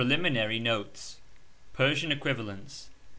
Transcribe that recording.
12 PKELIMINARY NOTES. Persian equivalents.